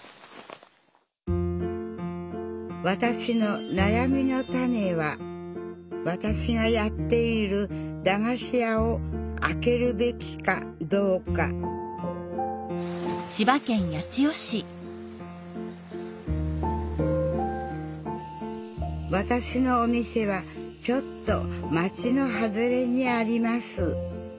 わたしのなやみのタネはわたしがやっているだがし屋をあけるべきかどうかわたしのお店はちょっと街の外れにあります。